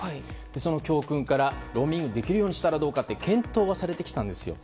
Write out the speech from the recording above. その教訓からローミングできるようにしたらどうかという検討はされてきたんですよ。